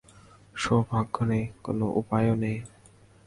সৌভাগ্য নেই, কোনো উপায়ও নেই।